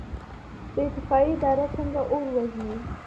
د اطفائیې اداره څنګه اور وژني؟